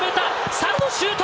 サルのシュート！